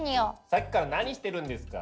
さっきから何してるんですか？